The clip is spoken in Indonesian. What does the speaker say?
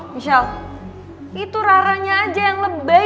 misal itu raranya aja yang lebay